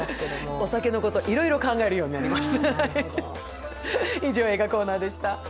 お酒のことをいろいろ考えるようになります。